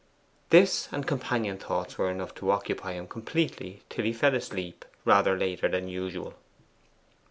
This and companion thoughts were enough to occupy him completely till he fell asleep rather later than usual.